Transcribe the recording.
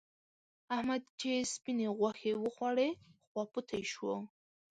احمد چې سپينې غوښې وخوړې؛ خواپوتی شو.